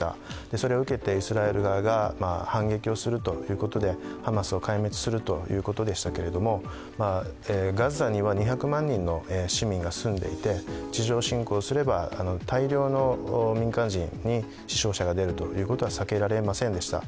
それを受けてイスラエル側が反撃するということで、ハマスを壊滅するということでしたが、ガザには２００万人の市民が住んでいて、地上侵攻すれば大量の民間人に死傷者が出ることは避けられませんでした。